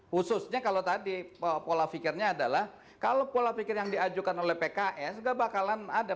khususnya kalau tadi pola pikirnya adalah kalau pola pikir yang diajukan oleh pks kebakalan ada